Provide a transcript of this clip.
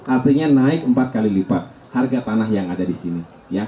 artinya naik empat kali lipat harga tanah yang ada di sini